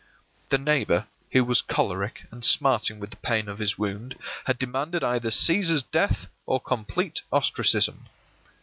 The neighbor, who was choleric and smarting with the pain of his wound, had demanded either Cæsar's death or complete ostracism.